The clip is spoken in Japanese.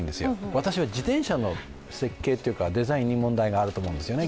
私は自転車の設計というか、デザインに問題があると思うんですね。